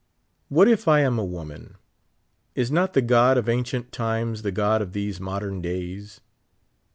What if I am a woman ; is not the God of ancient times the God of these modern days